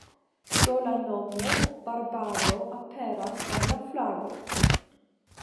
Do la nomo "Barbado" aperas en la flago.